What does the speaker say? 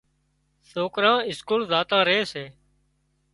سوڪران اسڪول زاتان ري سي۔